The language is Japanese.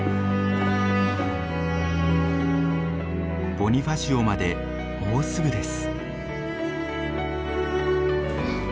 ボニファシオまでもうすぐです。